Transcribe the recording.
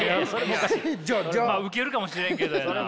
まあウケるかもしれんけどやな。